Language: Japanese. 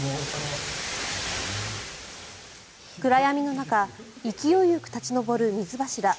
暗闇の中勢いよく立ち上る水柱。